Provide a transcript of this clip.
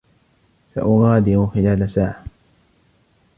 سأغادر خلال ساعة.